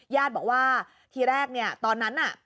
ญาติบอกว่าทีแรกเนี่ยตอนนั้นน่ะ